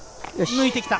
抜いてきた。